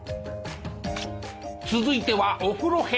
続いてはお風呂編。